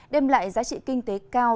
đem lại giá trị kinh tế cao